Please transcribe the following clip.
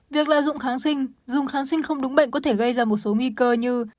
việc lợi dụng kháng sinh dùng kháng sinh không đúng bệnh có thể gây ra một số nguy cơ như